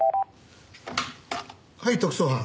はい特捜班。